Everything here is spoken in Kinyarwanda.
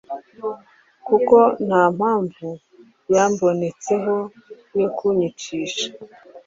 kuko nta mpamvu yambonetseho yo kunyicisha